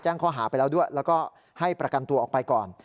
ข้อหาไปแล้วด้วยแล้วก็ให้ประกันตัวออกไปก่อน